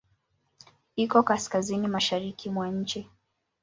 Iko Kaskazini mashariki mwa nchi.